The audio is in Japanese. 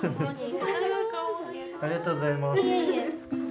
ありがとうございます。